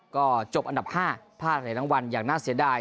ก็จบอันดับ๕พลาดเหรียญรางวัลอย่างน่าเสียดาย